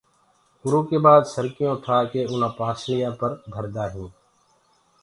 اُرو ڪي بآد سرڪيون ٺآ ڪي اُنآ پآسݪيآ پر دهردآ هينٚ۔